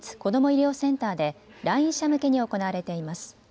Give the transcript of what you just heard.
医療センターで来院者向けに行われています。